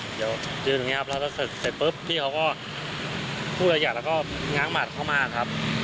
เดี๋ยวยืนอย่างนี้ครับแล้วก็เสร็จปุ๊บพี่เขาก็พูดละเอียดแล้วก็ง้างหมัดเข้ามาครับ